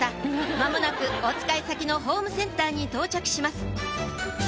間もなくおつかい先のホームセンターに到着します